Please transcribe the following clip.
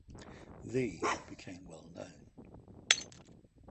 The became well known.